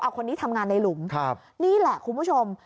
คนนี้ทำงานในหลุมนี่แหละคุณผู้ชม